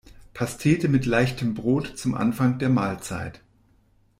Pastete mit leichtem Brot zum Anfang der Mahlzeit.